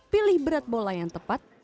pilih berat bola yang tepat